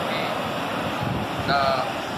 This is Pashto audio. په کورني درس کي پر ماشوم فشار نه راوړل کېږي.